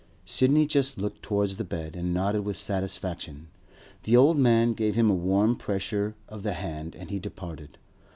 Sidney just looked towards the bed, and nodded with satisfaction. The old man gave him a warm pressure of the hand, and he departed.